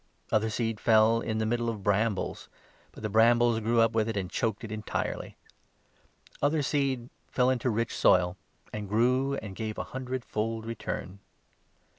Other seed fell in the middle of brambles, 7 but the brambles grew up with it and choked it entirely. Other seed fell into rich soil, and grew, and gave a hundred 8 fold return."